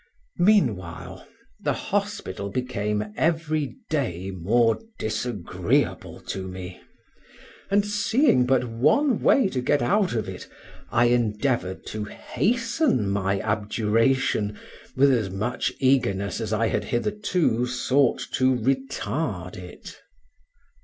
Meanwhile the hospital became every day more disagreeable to me, and seeing but one way to get out of it, I endeavored to hasten my abjuration with as much eagerness as I had hitherto sought to retard it.